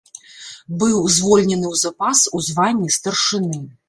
Быў звольнены ў запас у званні старшыны.